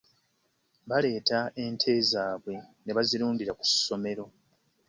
Baleeta ente zaabwe ne bazirundira ku ssomero.